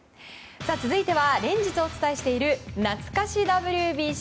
続いては連日お伝えしているなつか史ＷＢＣ。